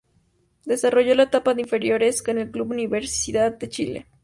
Desarrolló la etapa de inferiores en el Club Universidad de Chile.